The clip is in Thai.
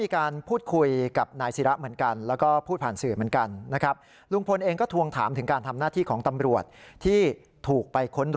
ขึ้นภูเหล็กไฟไปด้วยกัน